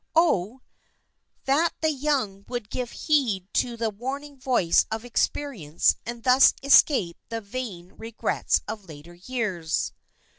Oh, that the young would give heed to the warning voice of experience, and thus escape the vain regrets of later years!